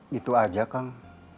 gitu aja kang